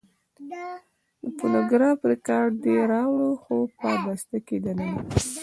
د فونوګراف رېکارډ دې راوړ؟ هو، په بسته کې دننه.